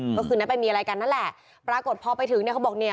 ก็คือคืนนั้นไปมีอะไรกันนั่นแหละปรากฏพอไปถึงเนี่ยเขาบอกเนี่ย